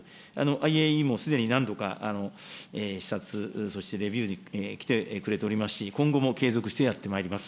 ＩＡＥＡも、すでに何度か視察、そしてレビューに来てくれておりますし、今後も継続してやってまいります。